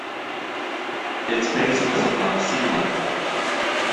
Its base was above sea level.